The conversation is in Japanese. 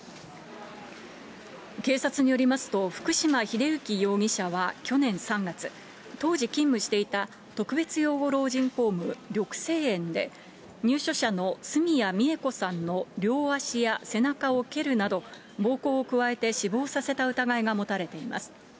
警察によりますと、福島栄行容疑者は去年３月、当時勤務していた特別養護老人ホーム、緑生苑で、入所者の角谷みえこさんの両足や背中をけるなど、暴行を加えて死亡させた疑いが持たれています。